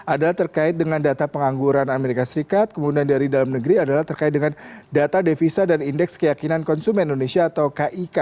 adalah terkait dengan data pengangguran amerika serikat kemudian dari dalam negeri adalah terkait dengan data devisa dan indeks keyakinan konsumen indonesia atau kik